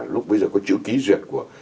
lúc bây giờ có chữ ký duyệt của